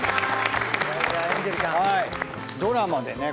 ドラマでね